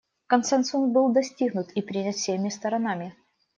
Консенсус был достигнут и принят всеми сторонами.